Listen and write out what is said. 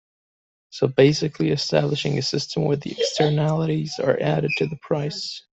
So basically establishing a system where the externalities are added to the price.